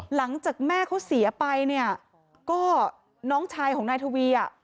หลังจากแม่เขาเสียไปเนี่ยก็น้องชายของนายทวีอ่ะ